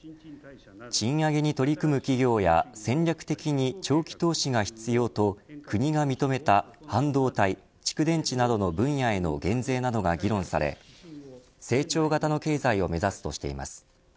賃上げに取り組む企業や戦略的に長期投資が必要と国が認めた半導体蓄電池などの分野への減税などが議論され成長型の経済を目指すとしています。